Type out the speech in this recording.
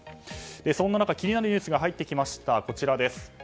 そんな中気になるニュースが入ってきました。